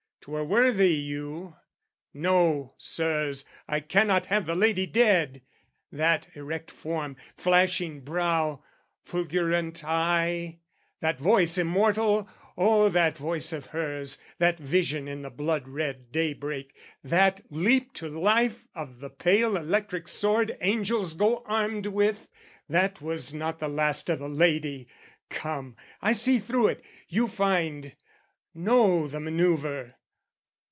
'Twere worthy you. No, Sirs, I cannot have the lady dead! That erect form, flashing brow, fulgurant eye, That voice immortal (oh, that voice of hers!) That vision in the blood red day break that Leap to life of the pale electric sword Angels go armed with, that was not the last O' the lady! Come, I see through it, you find Know the manaeuvre!